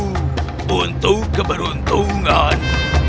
ini untuk keberuntungan